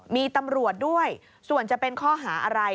มีตำรวจด้วยส่วนจะเป็นข้อหาอะไร